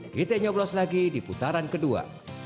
kita nyoblos lagi di putaran kedua